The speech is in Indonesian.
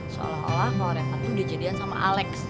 seolah olah kalo reva tuh udah jadian sama alex